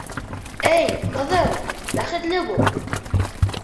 Эй, ҡыҙым, бәхетле бул.